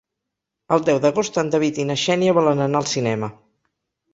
El deu d'agost en David i na Xènia volen anar al cinema.